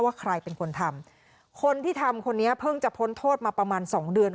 ว่าใครเป็นคนทำคนที่ทำคนนี้เพิ่งจะพ้นโทษมาประมาณสองเดือน